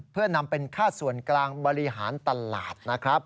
เพื่อนำเป็นค่าส่วนกลางบริหารตลาดนะครับ